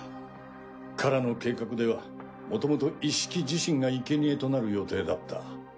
殻の計画ではもともとイッシキ自身がいけにえとなる予定だった。